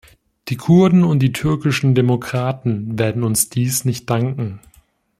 Die Kurden und die türkischen Demokraten werden uns dies nicht danken.